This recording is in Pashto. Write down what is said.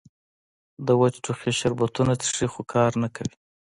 د وچ ټوخي شربتونه څښي خو کار نۀ کوي